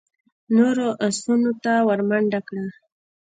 نورو آسونو ته ور منډه کړه.